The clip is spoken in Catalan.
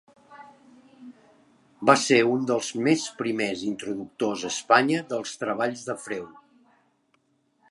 Va ser un dels més primers introductors a Espanya dels treballs de Freud.